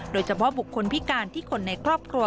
โดยเฉพาะบุคคลพิการที่คนในครอบครัว